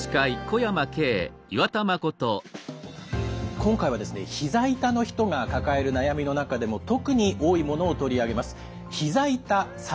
今回はですねひざ痛の人が抱える悩みの中でも特に多いものを取り上げます。